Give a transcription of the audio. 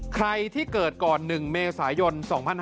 ใครที่เกิดก่อน๑เมษายน๒๕๖๒